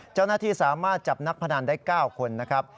เจ้าหน้าที่สามารถจับนักพนันได้๙คนนะครับ